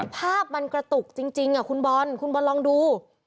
ภาพมันกระตุกจริงคุณบอลคุณบอลลองดู